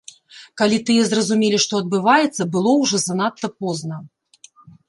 Калі тыя зразумелі, што адбываецца, было ўжо занадта позна.